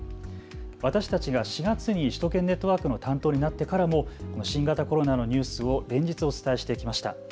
私たちが４月に首都圏ネットワークの担当になってからも新型コロナのニュースを連日お伝えしてきました。